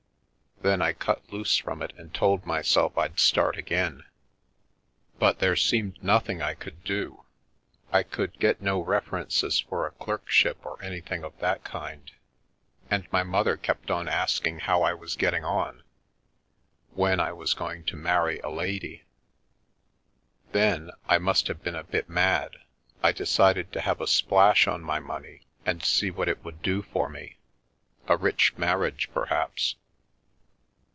Then I cut loose from it and told myself Fd start again. 133 The Milky Way But there seemed nothing I could do. I could get no references for a clerkship or anything of that kind. And my mother kept on asking how I was getting on, when I was going to marry a lady. Then — I must have been a bit mad — I decided to have a splash on my money and see what it would do for me — a rich marriage, perhaps.